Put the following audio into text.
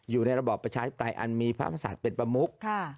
อยู่ในระบอบประชาชิปไทยอันมีภาพภาษาเป็นประมุก